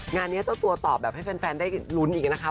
งานนี้เจ้าตัวตอบแบบให้แฟนได้ลุ้นอีกนะคะ